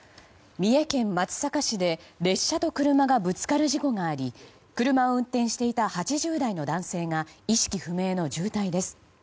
三重県松阪市で列車と車がぶつかる事故があり車を運転していた８０代の男性が意識不明の重体です。